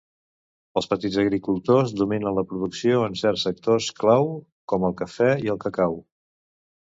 Els petits agricultors dominen la producció en certs sectors clau com el cafè i el cacau.